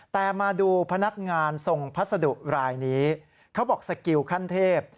แต่มาดูพนักงานส่งพัสดุรายนี้เขาบอกสกิลขั้นเทพ